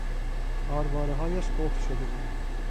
آروارههایش قفل شده بود.